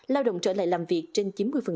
lao động trở lại làm việc trên chín mươi